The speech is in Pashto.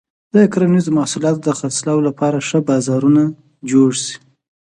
د کرنیزو محصولاتو د خرڅلاو لپاره ښه بازارونه جوړ شي.